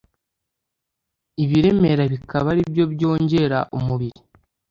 ibiremera bikaba ari byo byongera umubiri